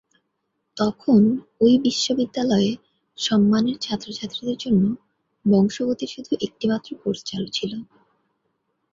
তখন ঐ বিশ্ববিদ্যালয়ে সম্মানের ছাত্রছাত্রীদের জন্য বংশগতির শুধু একটি মাত্র কোর্স চালু ছিল।